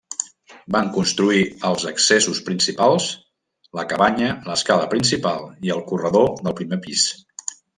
Van construir els accessos principals, la cabanya, l'escala principal i el corredor del primer pis.